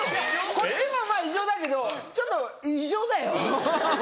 こっちも異常だけどちょっと異常だよ。